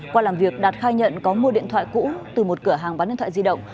qua làm việc đạt khai nhận có mua điện thoại cũ từ một cửa hàng bán điện thoại di động